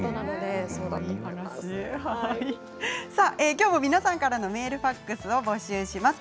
きょうも皆さんからのメールファックスを募集します。